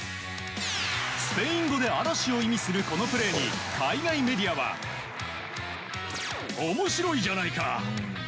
スペイン語で嵐を意味するこのプレーに海外メディアは面白いじゃないか！